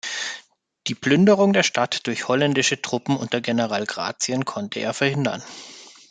Die Plünderung der Stadt durch holländische Truppen unter General Gratien konnte er verhindern.